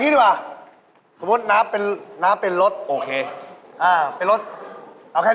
นี่ชมพูไปล้างรถ